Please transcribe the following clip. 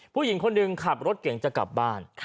ผู้หญิงคนหนึ่งขับรถเก่งจะกลับบ้าน